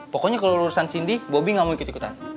pokoknya kalau urusan cindy bobi ga mau ikut ikutan